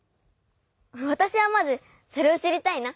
わたしはまずそれをしりたいな。